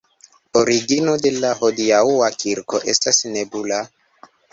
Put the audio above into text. Origino de la hodiaŭa kirko estas nebula.